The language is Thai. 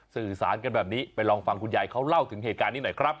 สื่อสารกันแบบนี้ไปลองฟังคุณยายเขาเล่าถึงเหตุการณ์นี้หน่อยครับ